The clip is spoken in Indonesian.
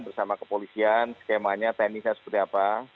bersama kepolisian skemanya teknisnya seperti apa